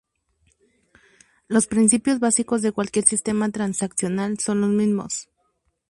Los principios básicos de cualquier sistema transaccional son los mismo.